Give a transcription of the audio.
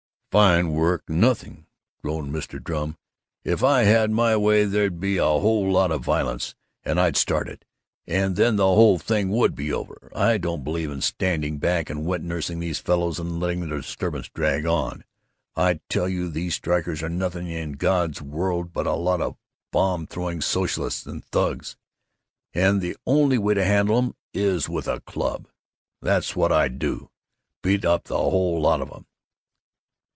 "Fine work nothing!" groaned Mr. Drum. "If I had my way, there'd be a whole lot of violence, and I'd start it, and then the whole thing would be over. I don't believe in standing back and wet nursing these fellows and letting the disturbances drag on. I tell you these strikers are nothing in God's world but a lot of bomb throwing socialists and thugs, and the only way to handle 'em is with a club! That's what I'd do; beat up the whole lot of 'em!"